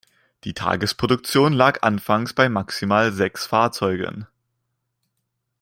Die Tagesproduktion lag anfangs bei maximal sechs Fahrzeugen.